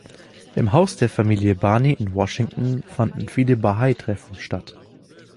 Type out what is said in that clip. Im Haus der Familie Barney in Washington fanden viele Bahai-Treffen statt.